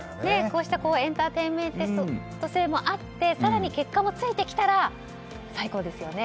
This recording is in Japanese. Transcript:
こうしたエンターテインメント性もあって更に結果もついてきたら最高ですよね。